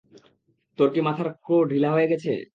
তোর কি মাথার ক্রো ঢিলা হয়ে গেছে?